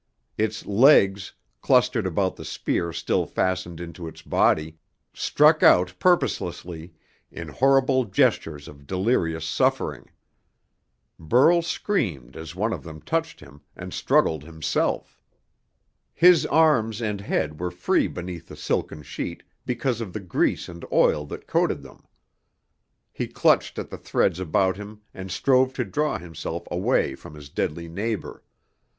Its legs, clustered about the spear still fastened into its body, struck out purposelessly, in horrible gestures of delirious suffering. Burl screamed as one of them touched him, and struggled himself. His arms and head were free beneath the silken sheet because of the grease and oil that coated them. He clutched at the threads about him and strove to draw himself away from his deadly neighbor.